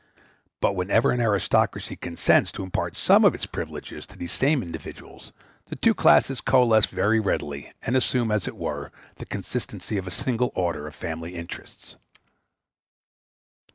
But whenever an aristocracy consents to impart some of its privileges to these same individuals, the two classes coalesce very readily, and assume, as it were, the consistency of a single order of family interests.